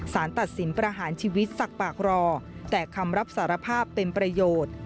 สารตัดสินประหารชีวิตสักปากรอแต่คำรับสารภาพเป็นประโยชน์